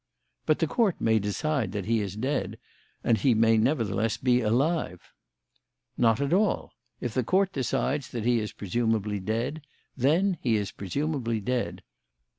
"But the Court may decide that he is dead and he may nevertheless be alive." "Not at all. If the Court decides that he is presumably dead, then he is presumably dead.